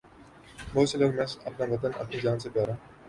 بہت سے لوگ محض اپنا وطن اپنی جان سے پیا را